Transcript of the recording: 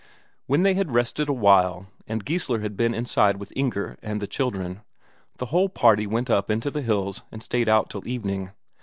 When they had rested a while, and Geissler had been inside with Inger and the children, the whole party went up into the hills and stayed out till evening.